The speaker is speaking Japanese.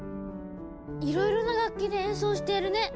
いろいろな楽器で演奏しているね。